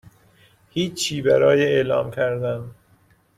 هیچی برای اعلام کردن